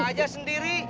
buka aja sendiri